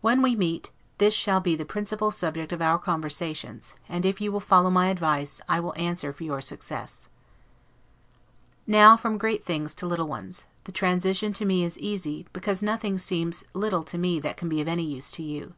When we meet, this shall be the principal subject of our conversations; and, if you will follow my advice, I will answer for your success. Now from great things to little ones; the transition is to me easy, because nothing seems little to me that can be of any use to you.